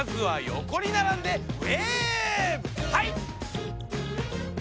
はい！